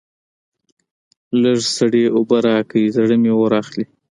لږ سړې اوبه راکړئ؛ زړه مې اور اخلي.